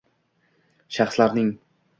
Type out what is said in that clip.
shaxslarning